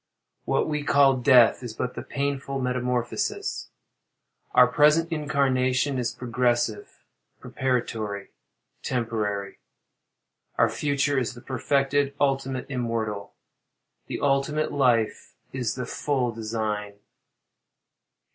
What we call "death," is but the painful metamorphosis. Our present incarnation is progressive, preparatory, temporary. Our future is perfected, ultimate, immortal. The ultimate life is the full design.